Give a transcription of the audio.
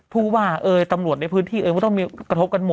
ทุกว่าตำรวจในพื้นที่ก็ต้องมีกระทบกันหมด